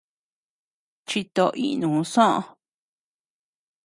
Chitó inu soʼö.